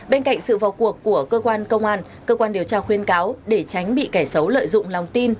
bên cạnh sự vào cuộc của cơ quan công an cơ quan điều tra khuyên cáo để tránh bị kẻ xấu lợi dụng lòng tin